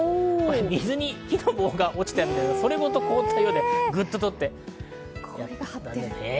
水に木の棒が落ちていて、それごと凍ったようでグッと取って。